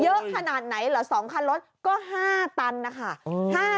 เยอะขนาดไหนเหรอ๒คันรถก็๕ตันนะคะ